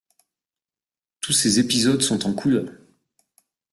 Tous ces épisodes sont en couleurs.